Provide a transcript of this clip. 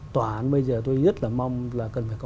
tòa án bây giờ tôi rất là mong là cần phải có